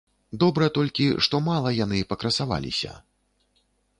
Добра толькі, што мала яны пакрасаваліся.